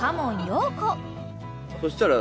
そしたら。